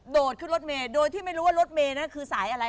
โดดขึ้นรถเมโดยที่ไม่รู้ว่ารถเมก็คือสายอะไร